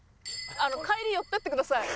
帰り寄っていってください。